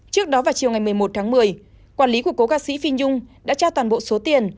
trước đó vào chiều ngày một mươi một tháng một mươi quản lý của cố ca sĩ phi nhung đã trao toàn bộ số tiền